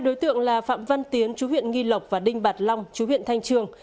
hai đối tượng là phạm văn tiến chú huyện nghi lộc và đinh bạc long chú huyện thanh trường